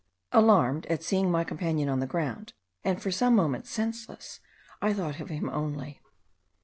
Alarmed at seeing my companion on the ground, and for some moments senseless, I thought of him only.